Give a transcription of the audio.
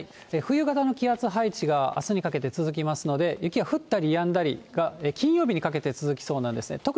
冬型の気圧配置があすにかけて続きますので、雪が降ったりやんだりが、金曜日にかけて続きそうなんですね。